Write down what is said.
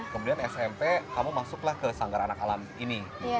kemudian smp kamu masuklah ke sanggar anak alam ini